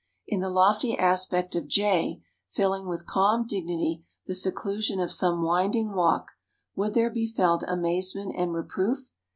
In the lofty aspect of Jay, filling with calm dignity the seclusion of some winding walk, would there be felt amazement and reproof?